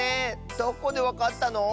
どこでわかったの？